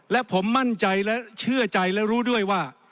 และผมมั่นใจและเชื่อใจและรู้ด้วยว่า